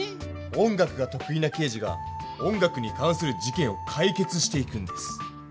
音楽がとく意な刑事が音楽にかんする事けんをかい決していくんです。